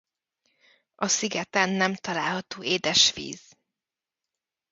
A szigeten nem található édesvíz.